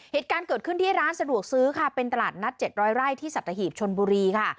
เหตุการณ์เกิดขึ้นที่ร้านสะดวกซื้อค่ะเป็นตลาดนัด๗๐๐ไร่ที่สัตหีบชนบุรีค่ะ